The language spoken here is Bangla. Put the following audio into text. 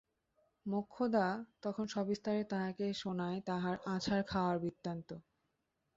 মোক্ষদা তখন সবিস্তারে তাহাকে শোনায় তাহার আছাড় খাওয়ার বৃত্তাভ।